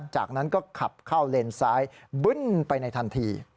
จากนั้นก็ขับเข้าเลนซ้ายบึ้นไปในทันที